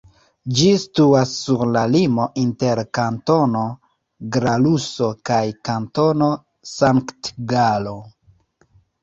Ĝi situas sur la limo inter Kantono Glaruso kaj Kantono Sankt-Galo.